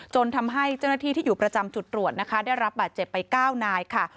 จนทำให้เจ้าหน้าที่ที่อยู่ประจำจุดตรวจนะคะได้รับบาดเจ็บไป๙นายค่ะ